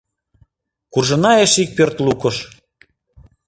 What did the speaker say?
— Куржына эше пӧрт лукыш: